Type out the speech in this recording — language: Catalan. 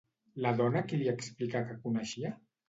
La dona a qui li explicà que coneixia?